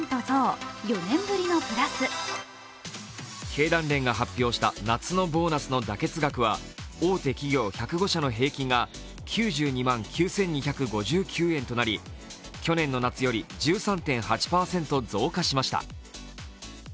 経団連が発表した夏のボーナスの妥結額は大手企業１０５社の平均が９２万９２５９円となり、去年の夏より１３．８％増加しました。